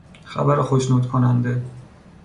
خبر خشنود کننده